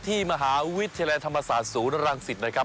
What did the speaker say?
ที่มหาวิทยาลัยธรรมศาสตร์ศูนย์รังสิตนะครับ